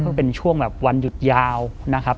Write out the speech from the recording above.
ก็เป็นช่วงแบบวันหยุดยาวนะครับ